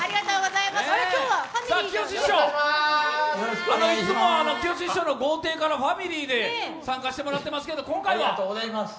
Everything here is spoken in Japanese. いつもは、きよし師匠の豪邸からファミリーで参加してもらってますけど、今回は？